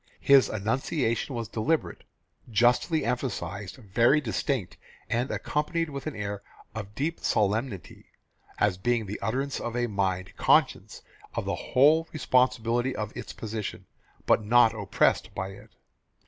His enunciation was deliberate, justly emphasised, very distinct, and accompanied with an air of deep solemnity as being the utterance of a mind conscious of the whole responsibility of its position, but not oppressed by it.